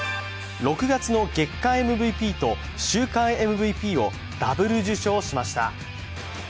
６月の月間ＭＶＰと週間ＭＶＰをダブル受賞しました。